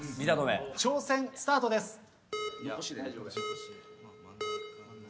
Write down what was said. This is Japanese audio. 挑戦スタートです。